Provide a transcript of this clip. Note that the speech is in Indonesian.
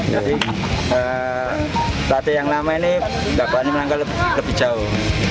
jadi pelatih yang lama ini dapat melangkah lebih jauh